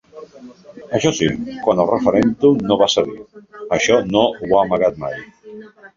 Això sí, quant al referèndum no va cedir: això no ha amagat mai.